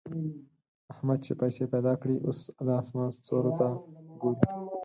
احمد چې پيسې پیدا کړې؛ اوس د اسمان ستورو ته ګوري.